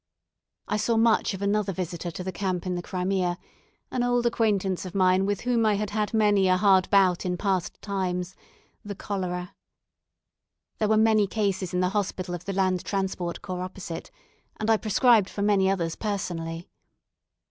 I saw much of another visitor to the camp in the Crimea an old acquaintance of mine with whom I had had many a hard bout in past times the cholera. There were many cases in the hospital of the Land Transport Corps opposite, and I prescribed for many others personally.